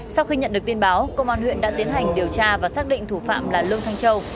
sau khi nhận được tin báo công an huyện đã tiến hành điều tra và xác định thủ phạm là lương thanh châu